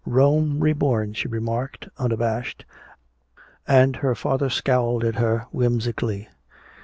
"Rome reborn," she remarked, unabashed. And her father scowled at her whimsically.